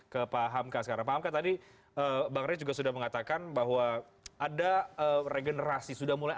kepahamkan sekarang tadi bang ray juga sudah mengatakan bahwa ada regenerasi sudah mulai